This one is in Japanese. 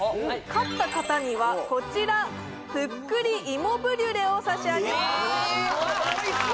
勝った方にはこちらぷっくり芋ブリュレを差し上げます